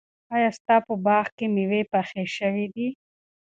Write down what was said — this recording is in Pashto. ایا ستا په باغ کې مېوې پخې شوي دي؟